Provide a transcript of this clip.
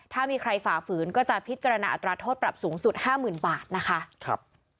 ถ้ามีใครฝ่าฝืนก็จะพิจารณาอัตราโทษปรับสูงสุด๕๐๐๐บาทนะคะ